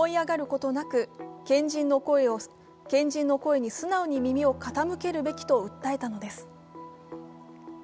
ことなく、賢人の声に素直に耳を傾けるべきと訴えたのです。